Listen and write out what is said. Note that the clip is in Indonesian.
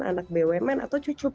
anak bumn atau cucu